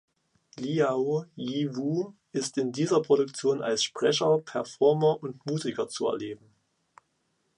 Liao Yiwu ist in dieser Produktion als Sprecher, Performer und Musiker zu erleben.